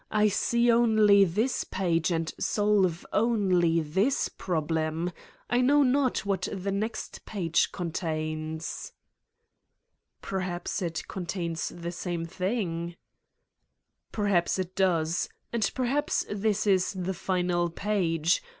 I see only this page and solve only this problem. I know not what the next page contains.'' "Perhaps it contains the same thing?" "Perhaps it does. And perhaps this is the final page ...